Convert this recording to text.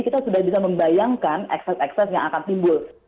kita sudah bisa membayangkan ekses ekses yang akan timbul